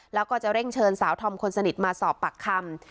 แล้วก็จะเร่งเชิญสาวธอมคนสนิทมาสอบปากคำ